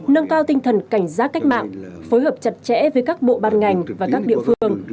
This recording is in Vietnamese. nâng cao tinh thần cảnh giác cách mạng phối hợp chặt chẽ với các bộ ban ngành và các địa phương